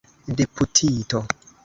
deputito